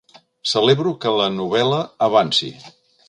Celebro que la novel.la avanci.